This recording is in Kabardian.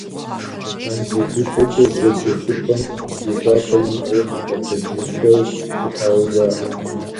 «КъандзэгулъэкӀэ» зэджэ щӀыпӀэм зекӀуапӀэ имыӀэу хъумпӀэцӀэджылъэу щытауэ жаӀэ.